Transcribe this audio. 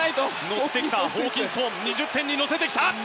乗ってきたホーキンソン２０点に乗せてきた！